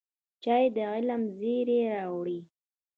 چای د علم زېری راوړي